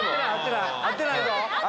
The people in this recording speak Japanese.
合ってないぞ！